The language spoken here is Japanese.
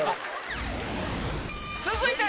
続いて。